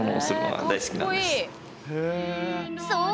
そう。